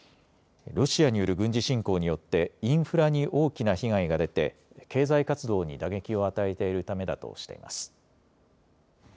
ロシアによる軍事侵攻によってインフラに大きな被害が出て経済活動に打撃を与えているためだとしています。